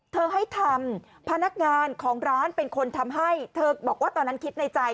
ให้ทำพนักงานของร้านเป็นคนทำให้เธอบอกว่าตอนนั้นคิดในใจ